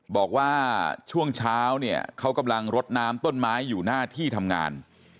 บอกว่าช่วงเช้าเนี่ยเขากำลังรดน้ำต้นไม้อยู่หน้าที่ทำงาน